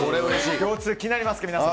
腰痛、気になりますか、皆さん。